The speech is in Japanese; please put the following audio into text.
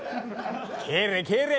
帰れ帰れ！